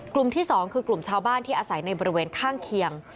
ที่๒คือกลุ่มชาวบ้านที่อาศัยในบริเวณข้างเคียง